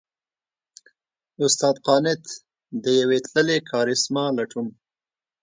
استاد قانت؛ د يوې تللې کارېسما لټون!